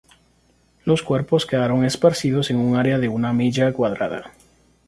Los cuerpos quedaron esparcidos en un área de una milla cuadrada.